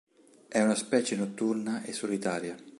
È una specie notturna e solitaria.